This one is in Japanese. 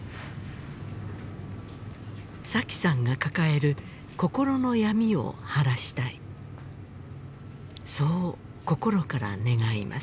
紗妃さんが抱える心の闇を晴らしたいそう心から願います